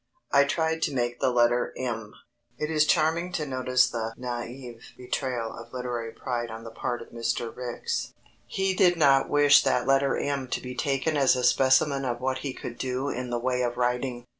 I tried to make the letter M. It is charming to notice the naïf betrayal of literary pride on the part of Mr. Ricks. He did not wish that letter M to be taken as a specimen of what he could do in the way of writing.